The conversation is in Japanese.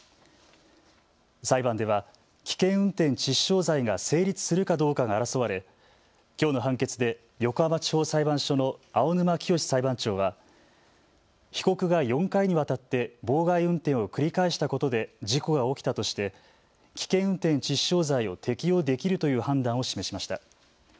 裁判では危険運転致死傷罪が成立するかどうかが争われ、きょうの判決で横浜地方裁判所の青沼潔裁判長は被告が４回にわたって妨害運転を繰り返したことで事故が起きたとして危険運転致死傷罪を適用できるという判断を示しました。